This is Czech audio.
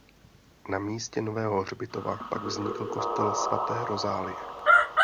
Na místě nového hřbitova pak vznikl kostel svaté Rozálie.